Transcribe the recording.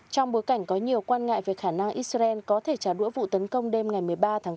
trong bối cảnh có nhiều quan ngại về khả năng israel có thể trả đũa vụ tấn công đêm ngày một mươi ba tháng bốn